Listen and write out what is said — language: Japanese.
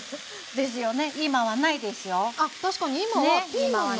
ですよね？